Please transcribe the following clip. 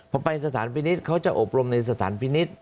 พอไปสถานพินิษฐ์เขาจะอบรมในสถานพินิษฐ์